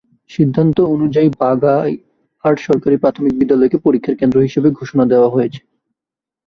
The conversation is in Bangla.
সিদ্ধান্ত অনুযায়ী বাঘাইহাট সরকারি প্রাথমিক বিদ্যালয়কে পরীক্ষার কেন্দ্র হিসেবে ঘোষণা দেওয়া হয়।